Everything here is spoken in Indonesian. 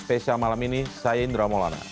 spesial malam ini saya indra maulana